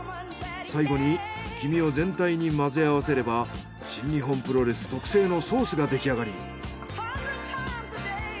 最後に黄身を全体に混ぜ合わせれば新日本プロレス特製のソースができあがり。